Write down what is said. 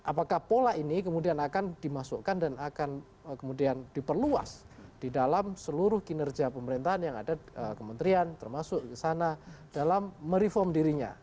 apakah pola ini kemudian akan dimasukkan dan akan kemudian diperluas di dalam seluruh kinerja pemerintahan yang ada kementerian termasuk ke sana dalam mereform dirinya